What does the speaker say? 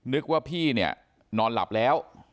นึกว่าพี่เนี่ยนอนหลับแล้ว